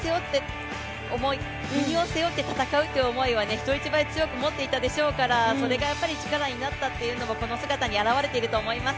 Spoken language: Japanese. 国を背負って戦うという思いは人一倍強く持っていたでしょうからそれがやっぱり力になったというのもこの姿に現れていると思います。